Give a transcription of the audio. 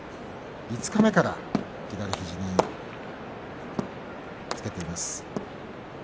五日目から左肘につけています。